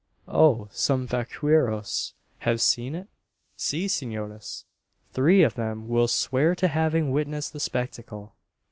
"Oh; some vaqueros have seen it?" "Si, senores; three of them will swear to having witnessed the spectacle."